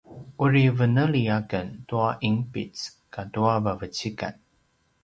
uri veneli aken tua ’inpic katua vavecikan